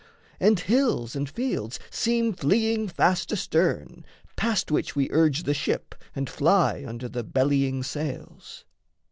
And hills and fields Seem fleeing fast astern, past which we urge The ship and fly under the bellying sails.